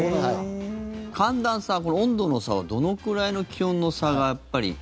寒暖差、温度の差はどのくらいの気温の差がやっぱり？